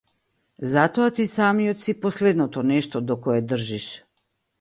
Затоа ти самиот си последното нешто до кое држиш.